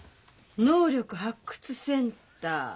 「能力発掘センター」。